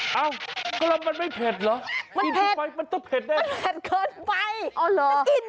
ฮะกลมมันไม่เผ็ดหรอมันเผ็ดเกินไป